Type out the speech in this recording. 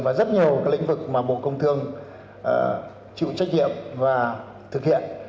và rất nhiều lĩnh vực mà bộ công thương chịu trách nhiệm và thực hiện